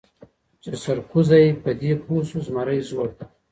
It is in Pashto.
چي سرکوزی په دې پوه سو زمری زوړ دی